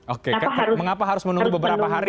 oke mengapa harus menunggu beberapa hari